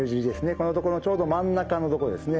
このところのちょうど真ん中のとこですね。